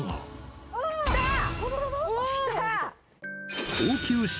来た！